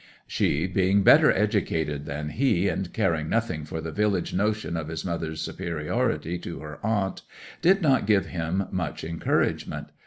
'She, being better educated than he, and caring nothing for the village notion of his mother's superiority to her aunt, did not give him much encouragement.